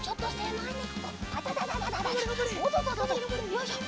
よいしょ。